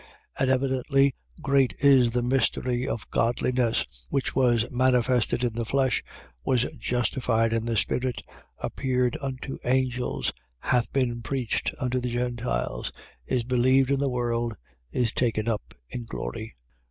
And evidently great is the mystery of godliness, which was manifested in the flesh, was justified in the spirit, appeared unto angels, hath been preached unto the Gentiles, is believed in the world, is taken up in glory.